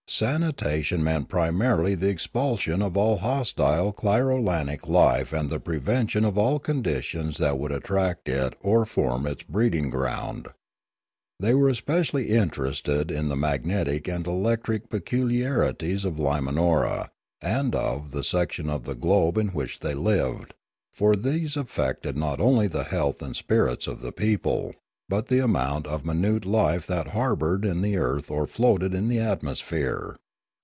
Sanitation meant primarily the expulsion of all hostile clirolanic life and the prevention of all conditions that would attract it or form its breeding ground. They were especially interested in the mag netic and electric peculiarities of Limanora and of the section of the globe in which they lived; for these affected not only the health and spirits of the people, but the amount of minute life that harboured in the earth or floated in the atmosphere.